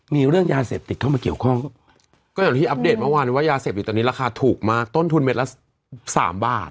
มีเรื่องยาเสพติดเข้ามาเกี่ยวข้องก็อย่างที่อัปเดตเมื่อวานว่ายาเสพติดตอนนี้ราคาถูกมากต้นทุนเม็ดละสามบาท